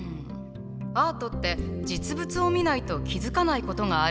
アートって実物を見ないと気付かないことがあるのよね。